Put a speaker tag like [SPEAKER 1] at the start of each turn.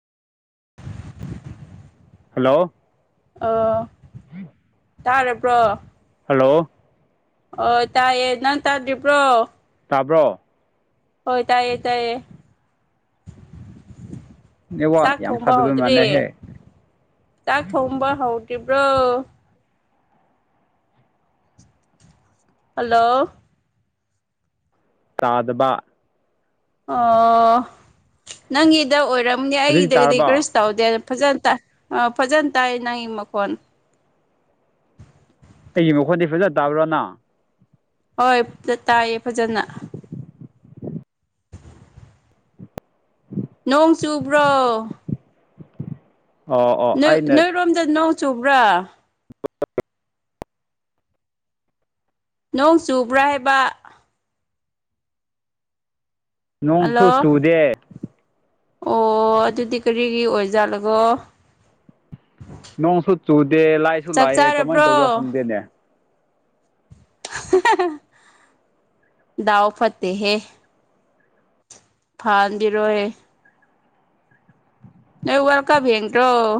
[SPEAKER 1] hello
[SPEAKER 2] ꯑꯥ ꯇꯥꯔꯕ꯭ꯔꯣ
[SPEAKER 1] hello
[SPEAKER 2] ꯑꯣ ꯇꯥꯏꯌꯦ ꯅꯪ ꯇꯥꯗ꯭ꯔꯤꯕ꯭ꯔꯣ
[SPEAKER 1] ꯇꯥꯕ꯭ꯔꯣ
[SPEAKER 2] ꯍꯣꯏ ꯇꯥꯏꯌꯦ ꯇꯥꯏꯌꯦ
[SPEAKER 1] ꯅꯦꯠꯋꯥꯛ
[SPEAKER 2] ꯆꯥꯛ
[SPEAKER 1] ꯌꯥꯝ
[SPEAKER 2] ꯊꯣꯡꯕ
[SPEAKER 1] ꯐꯗꯕ
[SPEAKER 2] ꯍꯧꯗ꯭ꯔꯤ
[SPEAKER 1] ꯃꯥꯜꯂꯦꯍꯦ
[SPEAKER 2] ꯆꯥꯛ ꯊꯣꯡꯕ ꯍꯧꯗ꯭ꯔꯤꯕ꯭ꯔꯣ ꯍꯜꯂꯣ
[SPEAKER 1] ꯇꯥꯗꯕ
[SPEAKER 2] ꯑꯣ ꯅꯪꯒꯤꯗ ꯑꯣꯏꯔꯝꯅꯤ
[SPEAKER 1] ꯍꯧꯖꯤꯛꯇꯤ
[SPEAKER 2] ꯑꯩꯒꯤꯗꯗꯤ
[SPEAKER 1] ꯇꯥꯔꯕꯣ
[SPEAKER 2] ꯀ꯭ꯔꯤꯁ ꯇꯧꯗꯦ ꯐꯖꯅ ꯇꯥ ꯑꯥ ꯐꯖꯅ ꯇꯥꯏ ꯅꯪꯒꯤ ꯃꯈꯣꯟ
[SPEAKER 1] ꯑꯩꯒꯤ ꯃꯈꯣꯟꯗꯤ ꯐꯖꯅ ꯇꯥꯕ꯭ꯔꯥ ꯅꯪ
[SPEAKER 2] ꯍꯣꯏ ꯗꯇꯌꯦ ꯐꯖꯅ ꯅꯣꯡ ꯆꯨꯕ꯭ꯔꯣ
[SPEAKER 1] ꯑꯣ ꯑꯣ
[SPEAKER 2] ꯅꯣꯏ
[SPEAKER 1] ꯑꯩꯅ
[SPEAKER 2] ꯅꯣꯏꯔꯣꯝꯗ ꯅꯣꯡ ꯆꯨꯕ꯭ꯔꯥ ꯅꯣꯡ ꯆꯨꯕ꯭ꯔꯥ ꯍꯥꯏꯕ
[SPEAKER 1] ꯅꯣꯡꯁꯨ
[SPEAKER 2] ꯍꯜꯂꯣ
[SPEAKER 1] ꯆꯨꯗꯦ
[SPEAKER 2] ꯑꯣ ꯑꯗꯨꯗꯤ ꯀꯔꯤꯒꯤ ꯑꯣꯏꯖꯥꯠꯂꯒꯣ
[SPEAKER 1] ꯅꯣꯡꯁꯨ ꯆꯨꯗꯦ ꯂꯥꯏꯁꯨ
[SPEAKER 2] ꯆꯥꯛ
[SPEAKER 1] ꯂꯥꯛꯑꯦ ꯀꯃꯥꯏꯅ
[SPEAKER 2] ꯆꯥꯔꯕ꯭ꯔꯣ
[SPEAKER 1] ꯇꯧꯕ꯭ꯔꯥ ꯈꯪꯗꯦꯅꯦ
[SPEAKER 2] ꯗꯥꯎ ꯐꯠꯇꯦ ꯍꯦ ꯐꯥꯍꯟꯕꯤꯔꯣꯍꯦ ꯅꯣꯢ ꯋꯥꯜ ꯀꯞ ꯌꯦꯡꯗ꯭ꯔꯣ